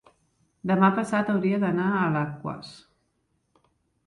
Demà passat hauria d'anar a Alaquàs.